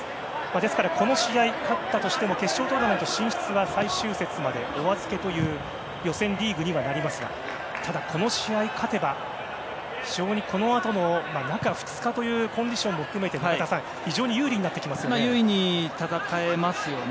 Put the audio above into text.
ですから、この試合に勝ったとしても決勝トーナメント進出は最終節までお預けという予選リーグにはなりますがただ、この試合に勝てばこのあとの中２日というコンディションも含めて非常に優位になりますよね。